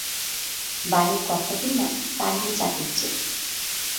বাড়ির কর্তাটির নাম তারিণী চাটুজ্জে।